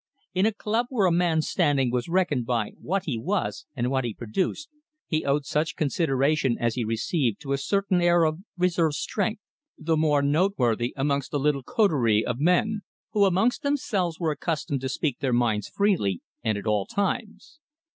In a club where a man's standing was reckoned by what he was and what he produced, he owed such consideration as he received to a certain air of reserved strength, the more noteworthy amongst a little coterie of men, who amongst themselves were accustomed to speak their minds freely, and at all times.